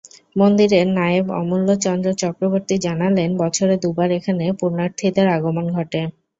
মন্দিরের নায়েব অমূল্য চন্দ্র চক্রবর্তী জানালেন, বছরে দুবার এখানে পুণ্যার্থীদের আগমন ঘটে।